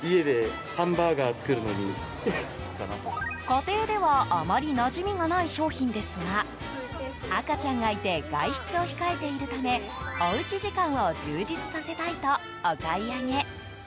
家庭ではあまりなじみがない商品ですが赤ちゃんがいて外出を控えているためおうち時間を充実させたいとお買い上げ。